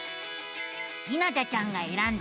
ひなたちゃんがえらんだ